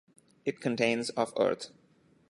It contains of earth.